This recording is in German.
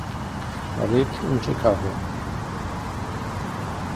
Er lebt in Chicago.